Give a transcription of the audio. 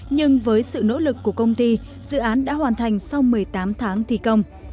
nhưng với sự nỗ lực của công ty dự án đã hoàn thành sau một mươi tám tháng thi công